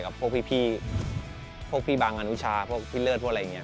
พวกพี่พวกพี่บังอนุชาพวกพี่เลิศพวกอะไรอย่างนี้